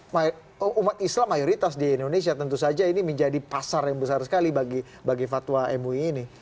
nah umat islam mayoritas di indonesia tentu saja ini menjadi pasar yang besar sekali bagi fatwa mui ini